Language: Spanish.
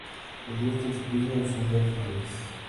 Le gusta el ciclismo en sus ratos libres.